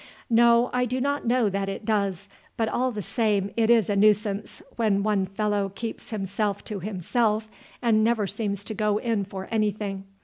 "No, I do not know that it does, but all the same it is a nuisance when one fellow keeps himself to himself and never seems to go in for anything.